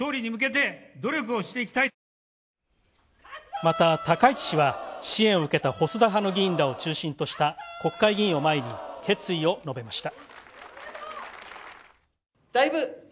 また、高市氏は支援を受けた細田派の議員らを中心とした国会議員を前に決意を述べました。